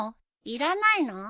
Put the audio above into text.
いらないの？